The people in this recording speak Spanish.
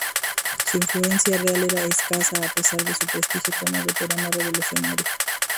Su influencia real era escasa, a pesar de su prestigio como veterana revolucionaria.